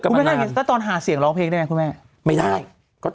กันมานานตอนทาเสียงร้องเพลงได้ไหมคุณแม่ไม่ได้ก็ต้อง